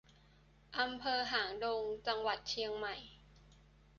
อำเภอหางดง จังหวัดเชียงใหม่